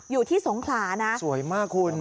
อยู่ที่สงขรานะสวยมากคุณ